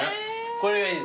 これがいい。